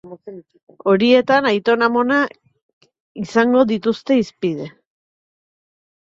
Horietan, aiton-amonak izango dituzte hizpide.